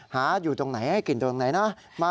หาอยู่ตรงไหนให้กลิ่นตรงไหนนะ